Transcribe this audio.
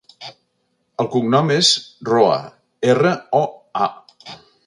El cognom és Roa: erra, o, a.